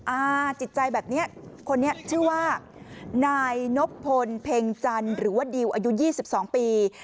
จิตใจแบบนี้คนนี้ชื่อว่านายนบพลเพ็งจันทร์หรือว่าดิวอายุ๒๒ปี